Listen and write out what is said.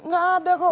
nggak ada kok